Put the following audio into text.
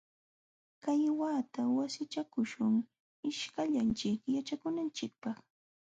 Kay wata wasichakuśhun ishkayllanchik yaćhakunanchikpaq.